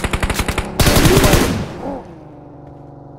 Rnu arem.